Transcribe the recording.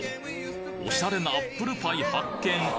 オシャレなアップルパイ発見！